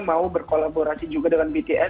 mau berkolaborasi juga dengan bts